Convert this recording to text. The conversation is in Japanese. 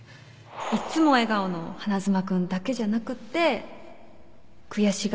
いつも笑顔の花妻君だけじゃなくって悔しがってる